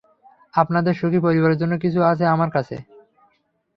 আপনাদের সুখী পরিবারের জন্য কিছু আছে আমার কাছে।